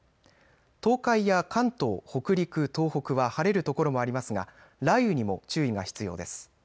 東海や関東、北陸、東北は晴れる所もありますが雷雨にも注意が必要です。